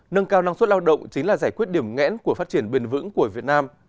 nâng cao năng suất lao động chính là giải quyết điểm ngẽn của phát triển bền vững của việt nam